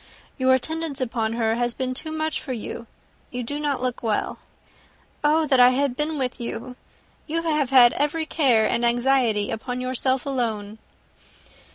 "Your attendance upon her has been too much for you. You do not look well. Oh that I had been with you! you have had every care and anxiety upon yourself alone."